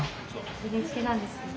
ＮＨＫなんですけど。